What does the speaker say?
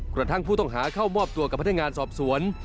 กระทั่งผู้ต้องหาเข้ามอบตัวกับพนักงานสอบสวน